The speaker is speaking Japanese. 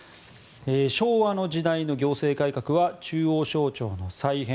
昭和の時代の行政改革は中央省庁の再編